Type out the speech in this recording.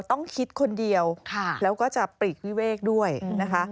ต้องคิดคนเดียวแล้วก็จะปลีกวิเวกด้วยนะคะ